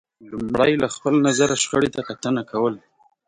لمړی له خپل نظره شخړې ته کتنه کول